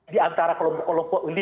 di antara kelompok kelompok